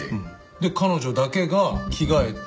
で彼女だけが着替えて。